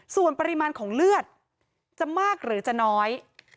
ส่วนปริมาณของเลือดจะมากหรือจะน้อย